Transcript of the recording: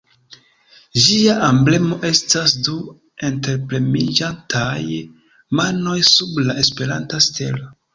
Ĝia emblemo estas du interpremiĝantaj manoj sub la Esperanta stelo.